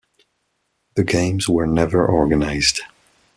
The games were never organized.